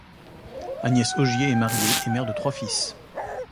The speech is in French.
Agnès Ogier est mariée et mère de trois fils.